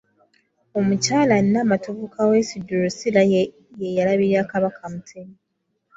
Omukyala Nnamatovu Kaweesi Drusilla ye eyalabirira Kabaka Mutebi.